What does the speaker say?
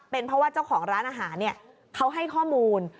เป็นเพราะว่าเจ้าของร้านอาหารเขาให้ข้อมูล